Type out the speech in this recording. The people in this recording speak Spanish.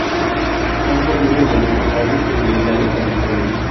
Ambos viven en la misma calle en Glendale, California.